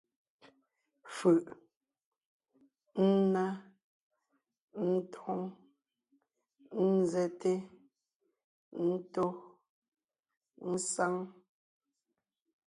Fʉʼ: ńná, ńtóŋ, ńzɛ́te, ńtó, ésáŋ.